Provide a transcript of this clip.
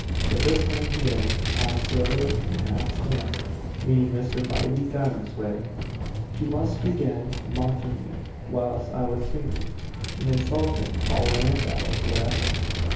But this thing here half sailor and half scamp (meaning Mr. Bybie Garmondsway), he must begin mocking me whilst I was singing, and insulting all land battles whatever.